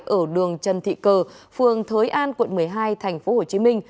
ở đường trần thị cờ phường thới an quận một mươi hai tp hcm